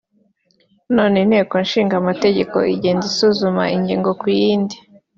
none Inteko Ishinga Amategeko igende isuzume ingingo ku yindi